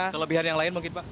kelebihan yang lain mungkin pak